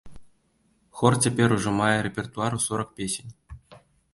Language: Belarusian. Хор цяпер ужо мае рэпертуар у сорак песень.